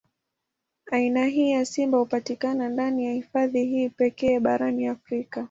Aina hii ya simba hupatikana ndani ya hifadhi hii pekee barani Afrika.